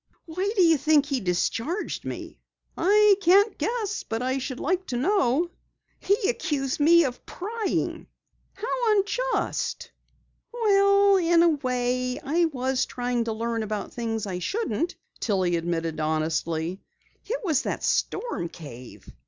Why do you think he discharged me?" "I can't guess, but I should like to know." "He accused me of prying!" "How unjust." "Well, in a way, I was trying to learn about things I shouldn't," Tillie admitted honestly. "It was that storm cave."